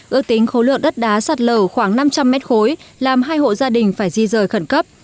ước tính khối lượng đất đá sạt lở khoảng năm trăm linh mét khối làm hai hộ gia đình phải di rời khẩn cấp